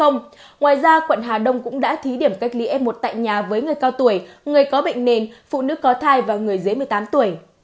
ngoài ra quận hà đông cũng đã thí điểm cách ly f một tại nhà với người cao tuổi người có bệnh nền phụ nữ có thai và người dưới một mươi tám tuổi